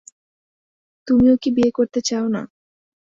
তুমিও কি বিয়ে করতে চাও না।